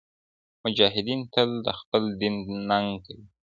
مجاهدین تل د خپل دین ننګ کوی.